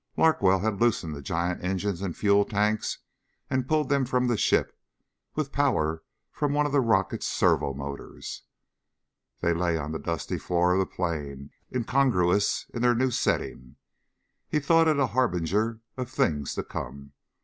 Larkwell had loosened the giant engines and fuel tanks and pulled them from the ship with power from one of the rocket's servo motors. They lay on the dusty floor of the plain, incongruous in their new setting. He thought it a harbinger of things to come.